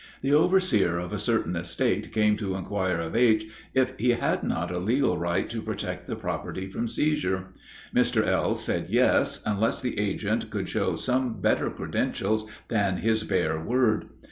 The overseer of a certain estate came to inquire of H. if he had not a legal right to protect the property from seizure. Mr. L. said yes, unless the agent could show some better credentials than his bare word.